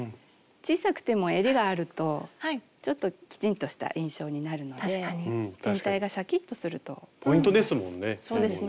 小さくてもえりがあるとちょっときちんとした印象になるので全体がシャキッとすると思います。